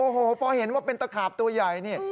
โอ้โหพอเห็นว่าเป็นตะขาบตัวใหญ่นี่